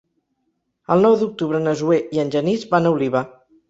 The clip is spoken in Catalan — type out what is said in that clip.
El nou d'octubre na Zoè i en Genís van a Oliva.